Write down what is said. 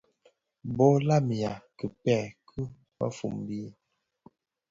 Bo lamiya kibèè ki mëfombi,